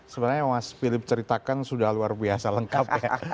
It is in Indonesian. sebenarnya yang mas philip ceritakan sudah luar biasa lengkap ya